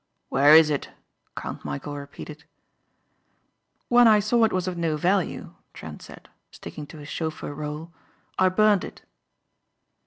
"Where is it?" Count Michæl repeated. "When I saw it was of no value," Trent said, sticking to his chauffeur rôle, "I burned it."